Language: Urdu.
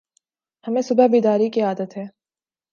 ہمیں صبح بیداری کی عادت ہے ۔